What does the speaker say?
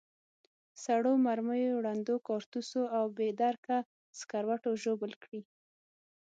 سړو مرمیو، ړندو کارتوسو او بې درکه سکروټو ژوبل کړي.